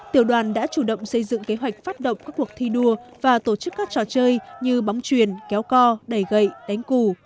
tiểu đoàn đã chủ động xây dựng kế hoạch phát động các cuộc thi đua và tổ chức các trò chơi như bóng truyền kéo co đẩy gậy đánh cù